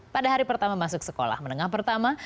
pada hari pertama masuk sekolah menengah pertama